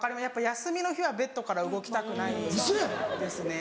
休みの日はベッドから動きたくないですね。